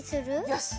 よし。